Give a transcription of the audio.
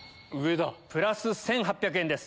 プラス１８００円です。